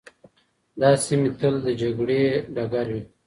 دا سیمي تل د جګړې ډګر وې.